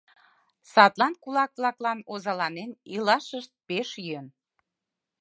Садлан кулак-влаклан озаланен илашышт пеш йӧн.